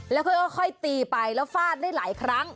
แล้วค่อยตีไปแล้วฟาดได้หลายครั้ง